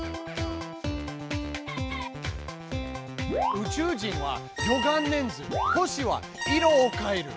宇宙人は「魚眼レンズ」星は「色を変える」。